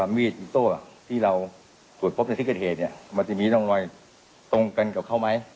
มันจะมีตรงกันกับเขาไหม